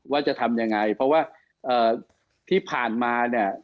ว่าจะทำยังไงเพราะว่าที่ผ่านมาเนี่ย